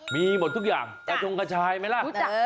มีหมดทุกอย่างกระชงกระชายไหมล่ะ